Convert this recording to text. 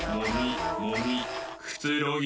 くつろぎ